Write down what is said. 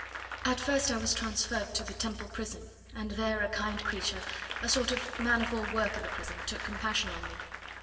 At first I was transferred to the Temple prison, and there a kind creature a sort of man of all work in the prison took compassion on me.